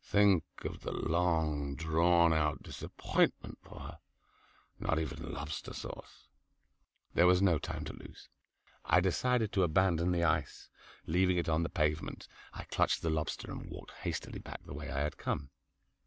Think of the long drawn out disappointment for her; not even lobster sauce! There was no time to lose. I decided to abandon the ice. Leaving it on the pavement I clutched the lobster and walked hastily back the way I had come.